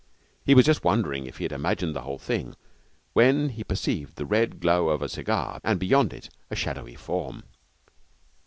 He was just wondering if he had imagined the whole thing, when he perceived the red glow of a cigar and beyond it a shadowy form.